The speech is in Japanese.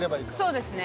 そうですね。